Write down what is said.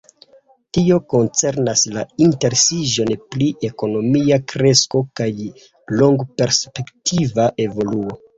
Tio koncernas la interesiĝon pri ekonomia kresko kaj longperspektiva evoluo.